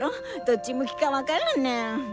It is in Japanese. どっち向きか分からんねん。